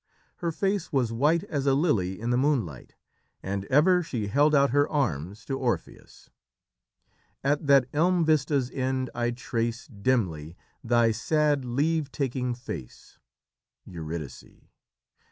Her face was white as a lily in the moonlight, and ever she held out her arms to Orpheus: "At that elm vista's end I trace, Dimly thy sad leave taking face, Eurydice!